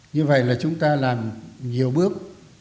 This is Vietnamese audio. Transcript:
như vậy là chúng ta làm nhiều bước